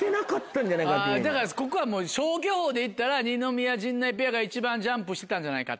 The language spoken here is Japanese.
だからここはもう消去法で行ったら二宮・陣内ペアが一番ジャンプしてたんじゃないかと。